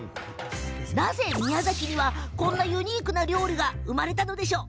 なぜ宮崎には、こんなユニークな料理が生まれたのでしょう？